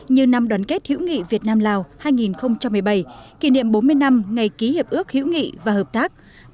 như năm đoàn kết hữu nghị việt nam lào hai nghìn một mươi bảy kỷ niệm bốn mươi năm ngày ký hiệp ước hữu nghị và hợp tác